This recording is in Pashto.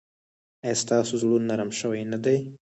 ایا ستاسو زړه نرم شوی نه دی؟